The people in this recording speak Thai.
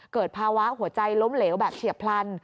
เกิดภาวะหัวใจล้มเหลวแบบเฉียบพลัน